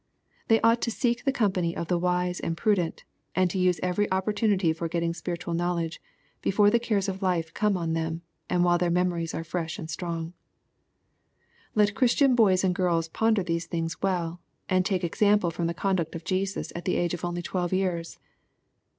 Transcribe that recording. They ought to seek the company of the wise and prudent, and to^use every opportunity of getting spiritual knowledge, before the cares of life come on them, and while their memories are fresh and strong. Let Christian boys and girls ponder these things well, and take example from the conduct of Jesus at the age of only twelve years.